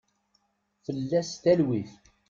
Fell-as talwit.